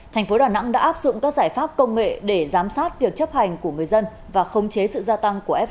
thành phố đà nẵng đã áp dụng các giải pháp công nghệ để giám sát việc chấp hành của người dân và khống chế sự gia tăng của fp